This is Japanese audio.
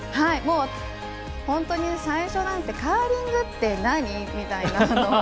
もう、本当に最初なんてカーリングって何？みたいな。